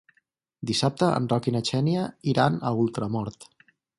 Dissabte en Roc i na Xènia iran a Ultramort.